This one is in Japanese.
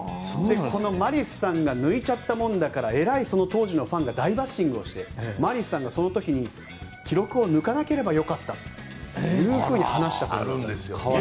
マリスさんが抜いちゃったもんだから当時のファンが大バッシングをしてマリスさんがその時に記録を抜かなければ良かったと話したという。